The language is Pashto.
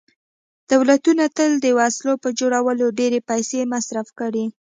دولتونو تل د وسلو په جوړولو ډېرې پیسې مصرف کړي